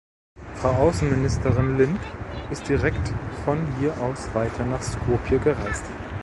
Frau Außenministerin Lindh ist direkt von hier aus weiter nach Skopje gereist.